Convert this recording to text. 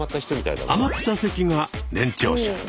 あまった席が年長者。